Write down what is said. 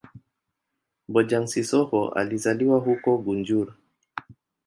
Bojang-Sissoho alizaliwa huko Gunjur.